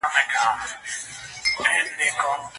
که مقررات عملي نه شي، ستونزې زیاتېږي.